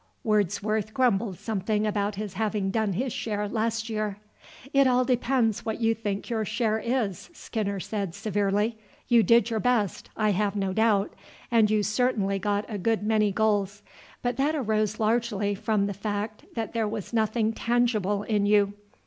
Wordsworth grumbled something about his having done his share last year. "It all depends what you think your share is," Skinner said severely. "You did your best, I have no doubt, and you certainly got a good many goals, but that arose largely from the fact that there was nothing tangible in you.